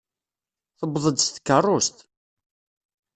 Tewweḍ-d s tkeṛṛust.